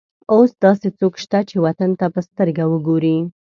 اوس داسې څوک شته چې وطن ته په سترګه وګوري.